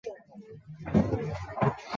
黑弗瑞尔至波士顿的铁路穿镇而过。